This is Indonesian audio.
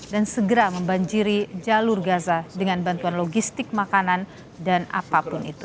segera membanjiri jalur gaza dengan bantuan logistik makanan dan apapun itu